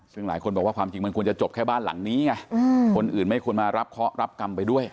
ซึ่งหลายคนบอกว่าความจริงมันควรจะจบแค่บ้านหลังนี้ไงคนอื่นไม่ควรมารับเคาะรับกรรมไปด้วย